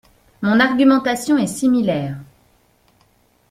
Mon argumentation est similaire.